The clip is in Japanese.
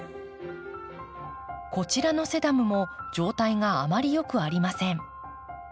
こちらのセダムも状態があまりよくありません。